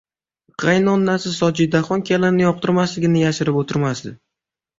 Qaynonasi Sojidaxon kelinni yoqtirmasligini yashirib o`tirmasdi